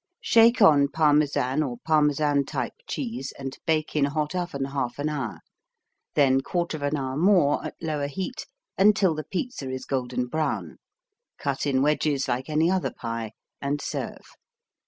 Shake on Parmesan or Parmesan type cheese and bake in hot oven 1/2 hour, then 1/4 hour more at lower heat until the pizza is golden brown. Cut in wedges like any other pie and serve.